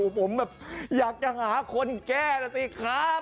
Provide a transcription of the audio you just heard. ผมแบบอยากจะหาคนแก้นะสิครับ